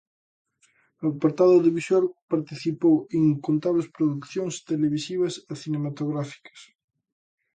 No apartado audiovisual, participou en incontables producións televisivas e cinematográficas.